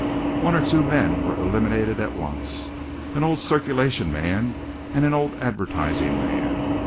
One or two men were eliminated at once, an old circulation man and an old advertising man.